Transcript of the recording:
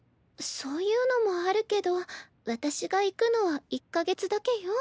そういうのもあるけど私が行くのは１か月だけよ。